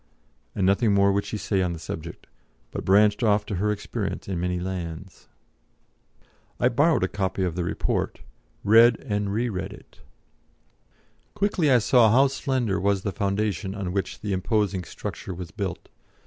And nothing more would she say on the subject, but branched off to her experiences in many lands. I borrowed a copy of the Report, read and re read it. Quickly I saw how slender was the foundation on which the imposing structure was built.